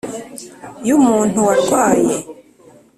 Y'umuntu warwaye.